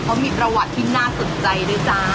เขามีประวัติที่น่าสนใจด้วยจ้า